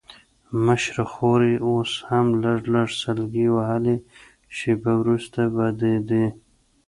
مشره خور یې اوس هم لږ لږ سلګۍ وهلې، شېبه وروسته به د دې.